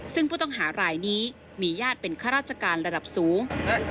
ซึ่งผู้ต้องหารายนี้มีญาติเป็นข้าราชการระดับสูง